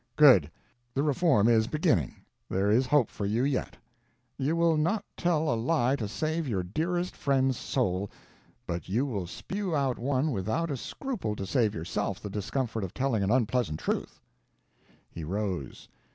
"Good the reform is beginning; there is hope for you yet; you will not tell a lie to save your dearest friend's soul, but you will spew out one without a scruple to save yourself the discomfort of telling an unpleasant truth." He rose.